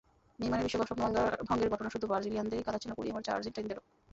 নেইমারের বিশ্বকাপ-স্বপ্ন ভঙ্গের ঘটনা শুধু ব্রাজিলিয়ানদেরই কাঁদাচ্ছে না, পুড়িয়ে মারছে আর্জেন্টাইনদেরও।